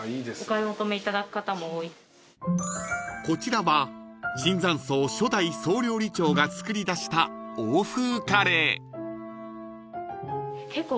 ［こちらは椿山荘初代総料理長が作り出した欧風カレー］